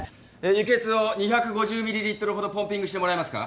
輸血を２５０ミリリットルほどポンピングしてもらえますか？